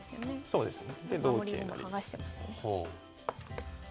そうですね。